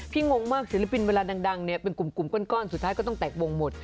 งงมากศิลปินเวลาดังเป็นกลุ่มก้อนสุดท้ายก็ต้องแต่งวงหมด